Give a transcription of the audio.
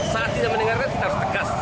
saat tidak mendengarkan kita harus tegas